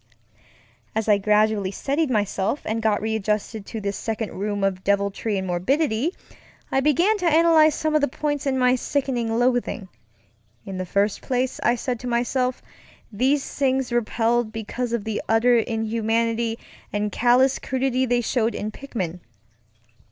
As I gradually steadied myself and got readjusted to this second room of deviltry and morbidity, I began to analyze some of the points in my sickening loathing. In the first place, I said to myself, these things repelled because of the utter inhumanity and callous cruelty they showed in Pickman.